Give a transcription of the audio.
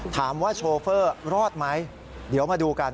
โชเฟอร์รอดไหมเดี๋ยวมาดูกัน